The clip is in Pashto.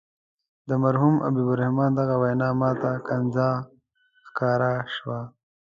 د مرحوم حبیب الرحمن دغه وینا ماته ښکنځا ښکاره شوه.